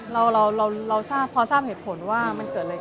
เรารู้เฝ้าเพราะที่เราทราบเหตุผลว่ามันเกิดอะไรขึ้น